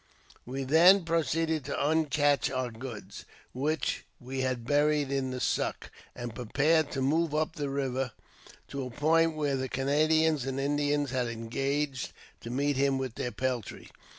,Y/e then proceeded to iuicache our goods, which we had buried at the " Suck," and prepared to move up the river to a point where the Canadians and Indians had engaged to meet 78 AUTOBIOGBAPEY OF him with their peltry.